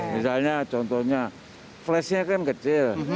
misalnya contohnya flashnya kan kecil